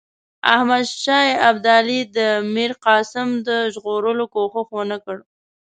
احمدشاه ابدالي د میرقاسم د ژغورلو کوښښ ونه کړ.